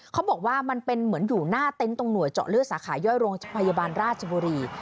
เขาบอกว่ามันเป็นเหมือนอยู่หน้าเต็นต์ตรงหน่วยเจาะเลือดสาขาย่อยโรงพยาบาลราชบุรี